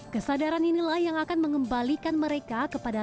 kesadaran inilah yang akan mengembalikan mereka kepada